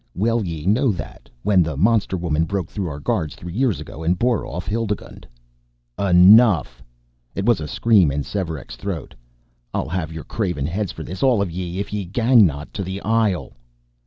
"Well ye know that, when the monster woman broke through our guards three years ago and bore off Hildigund." "Enough!" It was a scream in Svearek's throat. "I'll have yer craven heads for this, all of ye, if ye gang not to the isle!"